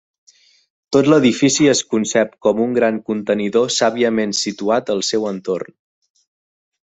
Tot l'edifici es concep com un gran contenidor sàviament situat al seu entorn.